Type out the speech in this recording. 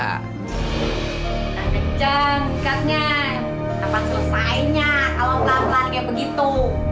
nanti keceng ikatnya tempat selesainya kalau pelan pelan kayak begitu